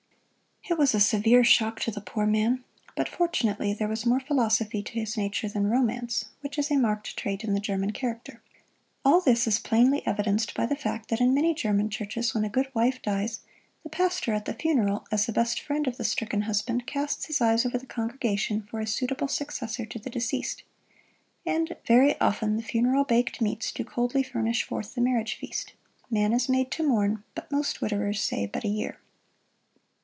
It was a severe shock to the poor man, but fortunately there was more philosophy to his nature than romance, which is a marked trait in the German character. All this is plainly evidenced by the fact that in many German churches when a good wife dies, the pastor, at the funeral, as the best friend of the stricken husband, casts his eyes over the congregation for a suitable successor to the deceased. And very often the funeral baked meats do coldly furnish forth the marriage feast. Man is made to mourn, but most widowers say but a year.